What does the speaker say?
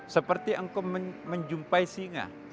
seperti engkau menjumpai singa